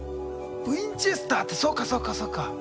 ウィンチェスターってそうかそうかそうか。